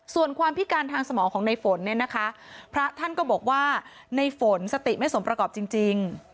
ส่วนความพิการทางสมองของในฝนเนี่ยนะคะพระท่านก็บอกว่าในฝนสติไม่สมประกอบจริง